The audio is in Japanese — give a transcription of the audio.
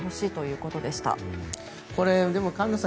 これ、でも菅野さん